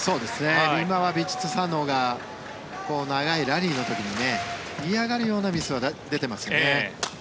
今はヴィチットサーンのほうが長いラリーの時に嫌がるようなミスは出ていますね。